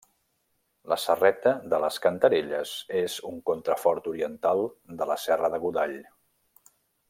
La serreta de les Cantarelles és un contrafort oriental de la serra de Godall.